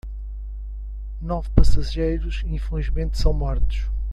Nove passageiros infelizmente são mortos